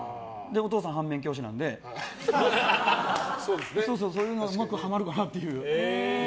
お父さん反面教師なのでそういうのでうまくはまるかなっていう。